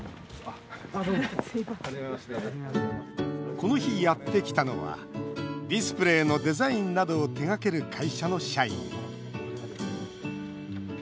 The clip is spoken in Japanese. この日、やってきたのはディスプレーのデザインなどを手がける会社の社員。